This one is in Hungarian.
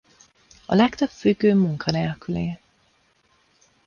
A legtöbb függő munkanélküli.